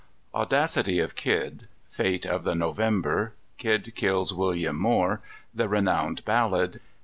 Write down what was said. _ Audacity of Kidd. Fate of the November. Kidd kills William Moore. The Renowned Ballad.